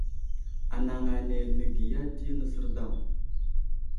Anaŋ ane nəgiya di nəsər daw.